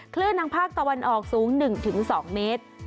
คลื่นทางภาคตะวันออกสูงหนึ่งถึงสองเมตร